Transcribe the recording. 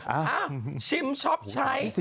อ้าวชิมชอบใช้